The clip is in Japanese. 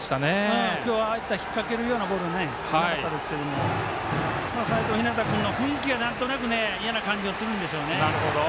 今日、ああいった引っ掛けるようなボールなかったですけど齋藤陽の雰囲気が嫌な感じがするんでしょうね。